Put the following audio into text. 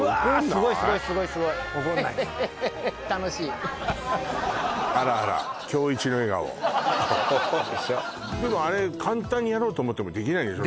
すごいすごいすごいすごいでもあれ簡単にやろうと思ってもできないでしょ？